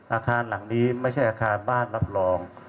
อาคารหลังนี้ไม่ใช่อาคารบ้านรับรอง